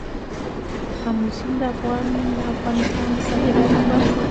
آمو سیند د افغانستان د صادراتو برخه ده.